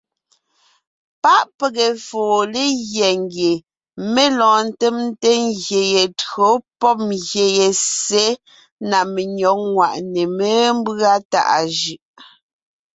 Páʼ pege foo legyɛ́ ngie mé lɔɔn ńtemte ngyè ye tÿǒ pɔ́b ngyè ye ssé na menÿɔ́g ŋwàʼne mémbʉ́a tàʼa jʉʼ.